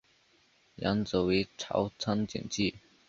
养子为朝仓景纪。